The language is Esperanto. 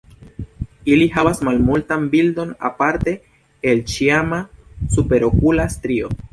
Ili havas malmultan bildon aparte el ĉiama superokula strio.